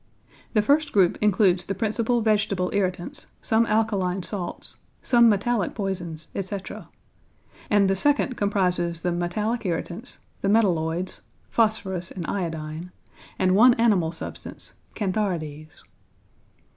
The first group includes the principal vegetable irritants, some alkaline salts, some metallic poisons, etc.; and the second comprises the metallic irritants, the metalloids (phosphorus and iodine), and one animal substance, cantharides.